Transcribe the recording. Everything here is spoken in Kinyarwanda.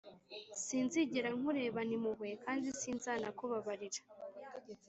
sinzigera nkurebana impuhwe kandi sinzanakubabarira